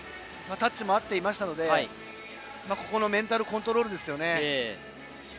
タッチも合っていましたのでメンタルコントロールですよね。